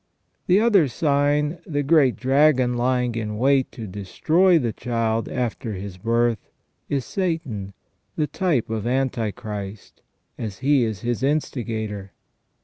The other sign, the great dragon lying in wait to destroy the Child after His birth is Satan, the type of Antichrist, as he is his instigator.